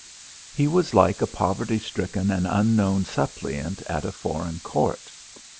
He was like a poverty stricken and unknown suppliant at a foreign Court.